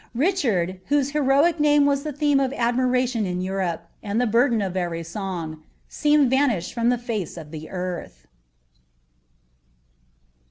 Richard, whose heroic name was the theme of adniiralioa in Europe, and the burden of every song, seemed vanished from the htt of the earth.